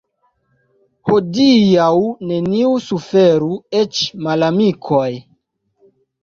Hodiaŭ neniu suferu, eĉ malamikoj.